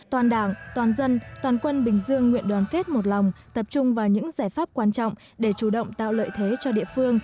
toàn đảng toàn dân toàn quân bình dương nguyện đoàn kết một lòng tập trung vào những giải pháp quan trọng để chủ động tạo lợi thế cho địa phương